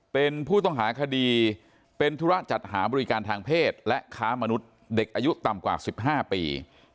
เป็นผู้ต้องหาคดีเป็นธุระจัดหาบริการทางเพศและค้ามนุษย์เด็กอายุต่ำกว่า๑๕ปี